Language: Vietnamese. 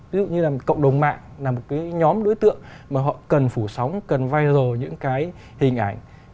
ví dụ như là một cộng đồng mạng là một cái nhóm đối tượng mà họ cần phủ sóng cần viral những cái hình ảnh